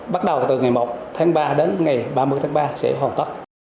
bắt đầu từ ngày một tháng ba đến ngày ba mươi tháng ba sẽ hoàn tất